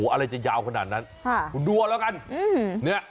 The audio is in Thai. อะไรจะยาวขนาดนั้น